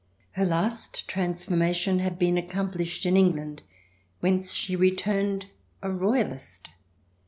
Her last transformation had been accomplished in Eng land whence she returned a Royalist.